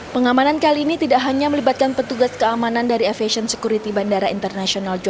pengamanan kali ini tidak hanya melibatkan petugas keamanan dari fhc